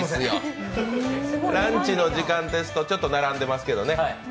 ランチの時間ですと、ちょっと並んでますけどね。